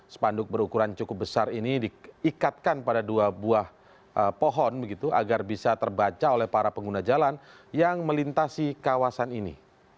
spanduk berukuran cukup besar ini diikatkan pada dua buah pohon agar bisa terbaca oleh para pengguna jalan yang melintasi kawasan ini